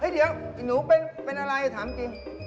เดี๋ยวหนูเป็นอะไรถามจริง